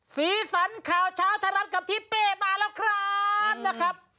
สีสันข่าวชาวถรัฐกับทิตเป๊ะมาแล้วครับ